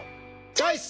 チョイス！